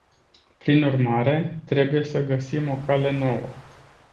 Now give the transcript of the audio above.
Prin urmare, trebuie să găsim o cale nouă.